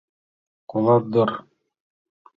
Колат дыр?